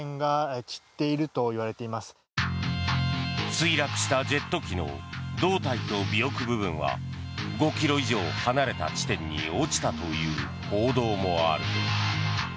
墜落したジェット機の胴体と尾翼部分は５ｋｍ以上離れた地点に落ちたという報道もある。